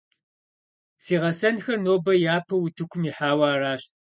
Си гъэсэнхэр нобэ япэу утыкум ихьауэ аращ.